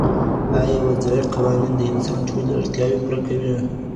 آیا وضعي قوانین د انسان ټولې اړتیاوې پوره کوي؟